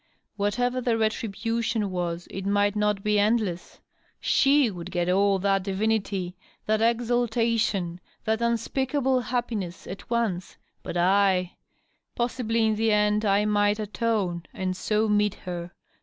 Whatever the retribution was, it might not be endless. She would get all that divinity, that exaltation, that unspeakable happiness, at once. But I Possibly in the end I might atone, and so meet her.